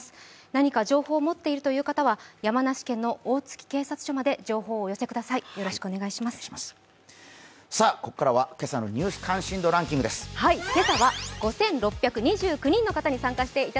何か情報を持っているという方は山梨県の大月警察署まで情報をお寄せください。